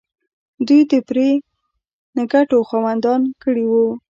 دوی د پرې نه ګټو خاوندان کړي وو.